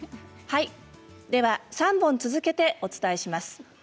３本続けてお伝えします。